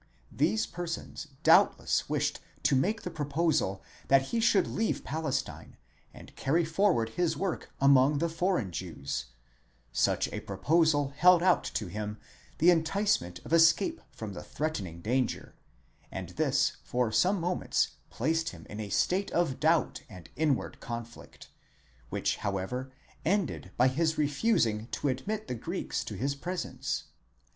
These persons doubtless wished to make the proposal that he should leave Palestine and carry forward his work among the foreign Jews ; such a proposal held out to him the enticement of escape from the threatening danger, and this for some moments placed him in a state of doubt and inward conflict, which however ended by his refusing to admit the Greeks to his presence.?